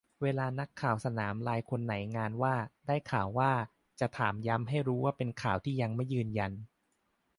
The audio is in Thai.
เวลานักข่าวสนามรายคนไหนงานว่า "ได้ข่าวว่า" จะถามย้ำให้รู้ว่าเป็นข่าวที่ยังไม่ยืนยัน